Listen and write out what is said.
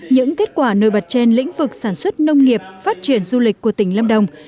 những kết quả nổi bật trên lĩnh vực sản xuất nông nghiệp phát triển du lịch của tỉnh lâm đồng